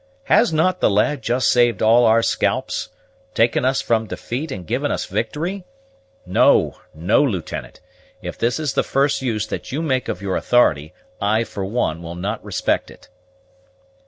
Has not the lad just saved all our scalps, taken us from defeat, and given us victory? No, no, Lieutenant; if this is the first use that you make of your authority, I, for one, will not respect it."